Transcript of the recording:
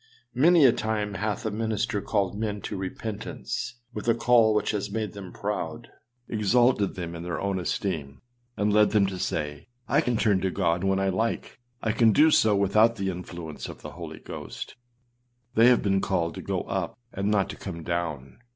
â Many a time hath a minister called men to repentance with a call which has made them proud, exalted them in their own esteem, and led them to say, âI can turn to God when I like; I can do so without the influence of the Holy Ghost.â They have been called to go up and not to come down.